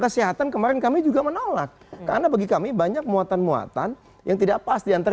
kesehatan kemarin kami juga menolak karena bagi kami banyak muatan muatan yang tidak pas diantar